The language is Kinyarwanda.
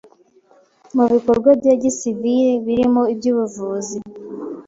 mu bikorwa bya gisivili birimo iby’ubuvuzi